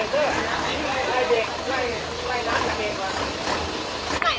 สวัสดีครับ